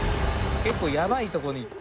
結構ヤバいとこに。